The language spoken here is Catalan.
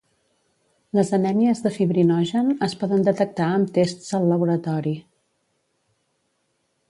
Les anèmies de fibrinogen es poden detectar amb tests al laboratori.